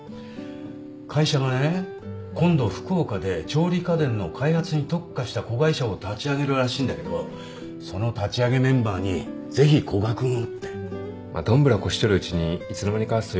会社がね今度福岡で調理家電の開発に特化した子会社を立ち上げるらしいんだけどその立ち上げメンバーにぜひ古賀君をって。まっどんぶらこしちょるうちにいつの間にかそういうことに。